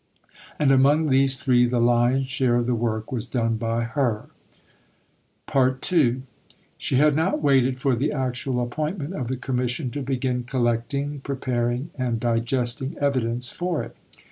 And among these three the lion's share of the work was done by her. See Vol. I. p. 339. II She had not waited for the actual appointment of the Commission to begin collecting, preparing, and digesting evidence for it.